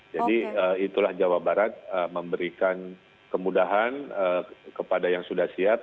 jadi itulah jawa barat memberikan kemudahan kepada yang sudah sihat